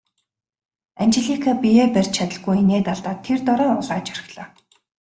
Анжелика биеэ барьж чадалгүй инээд алдаад тэр дороо улайж орхилоо.